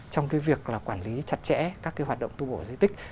trong cái việc là quản lý chặt chẽ các cái hoạt động tu bổ di tích